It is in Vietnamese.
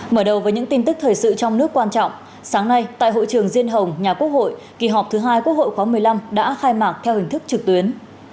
mở đầu với những tin tức thời sự trong nước quan trọng sáng nay tại hội trường diên hồng nhà quốc hội kỳ họp thứ hai quốc hội khóa một mươi năm đã khai mạc theo hình thức trực tuyến